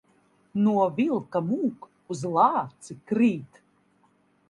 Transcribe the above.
No vilka mūk, uz lāci krīt.